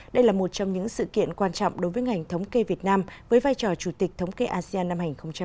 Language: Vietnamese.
đây là một trong những sự kiện quan trọng đối với ngành thống kê việt nam với vai trò chủ tịch thống kê asean năm hai nghìn hai mươi